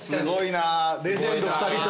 レジェンド２人と。